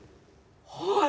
はい！